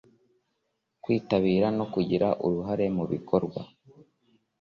kwitabira no kugira uruhare mu bikorwa